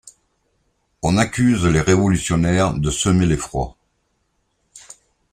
On accuse les révolutionnaires de semer l’effroi.